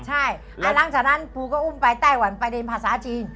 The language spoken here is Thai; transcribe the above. ใช่แล้วหลังจากนั้นปูก็อุ้มไปไต้หวันประเด็นภาษาจีน